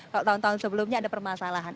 kalau tahun tahun sebelumnya ada permasalahan